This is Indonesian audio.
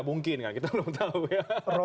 mungkin kita belum tahu ya